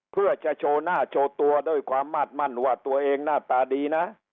เพื่อจะโชว์หน้าโชว์ตัวด้วยความมาดมั่นว่าตัวเองหน้าตาดีนะ